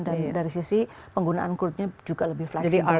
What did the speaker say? dan dari sisi penggunaan kulitnya juga lebih fleksibel